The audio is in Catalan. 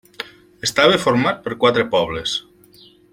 Estava format per quatre pobles.